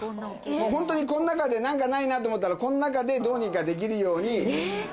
ホントにこの中で何かないなと思ったらこの中でどうにかできるように。